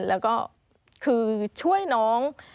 แล้วก็คือช่วยน้อง